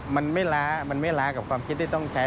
มันไม่ล้ากับความคิดที่ต้องใช้